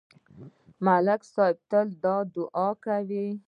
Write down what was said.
ملک صاحب تل دا دعا کوي